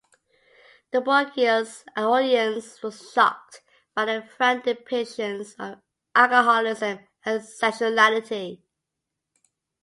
The bourgeois audience was shocked by the frank depictions of alcoholism and sexuality.